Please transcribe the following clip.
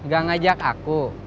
gak ngajak aku